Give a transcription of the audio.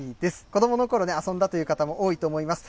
子どものころ、遊んだという方も多いと思います。